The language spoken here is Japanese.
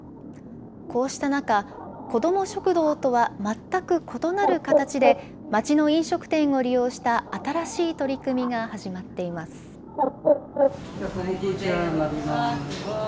こうした中、子ども食堂とは全く異なる形で、町の飲食店を利用した新しい取り組みが始まっています。